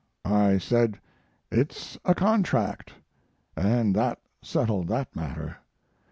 I said, "It's a contract " and that settled that matter.